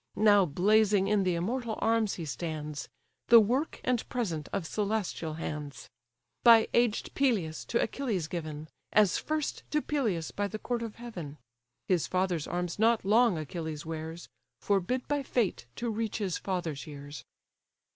Now blazing in the immortal arms he stands; The work and present of celestial hands; By aged Peleus to Achilles given, As first to Peleus by the court of heaven: His father's arms not long Achilles wears, Forbid by fate to reach his father's years.